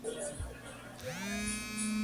Hoy el edificio, aunque visitable, amenaza ruina.